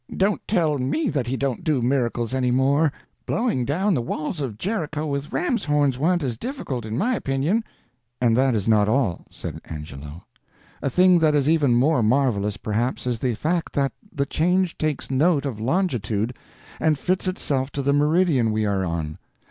"Don't tell me that He don't do miracles any more! Blowing down the walls of Jericho with rams' horns wa'n't as difficult, in my opinion." "And that is not all," said Angelo. "A thing that is even more marvelous, perhaps, is the fact that the change takes note of longitude and fits itself to the meridian we are on.